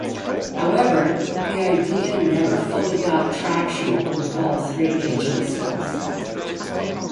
However the idea never fully got traction with all three agencies.